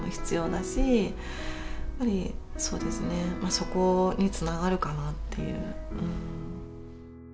そこにつながるかなっていう。